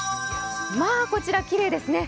まあ、こちらきれいですね。